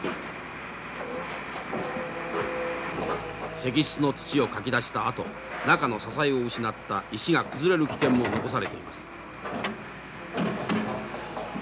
石室の土をかき出したあと中の支えを失った石が崩れる危険も残されています。